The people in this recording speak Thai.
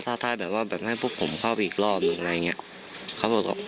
แต่ตอนวันแรกที่เพื่อนแนะนำเค้าบอกครับ